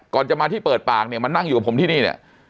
ก่อนจะมาที่เปิดปากเนี่ยมานั่งอยู่กับผมที่นี่เนี่ย